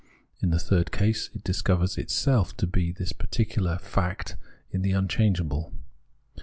In the third case, it discovers itself to be this particular fact in the unchangeable.